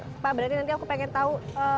pak berarti nanti aku pengen tahu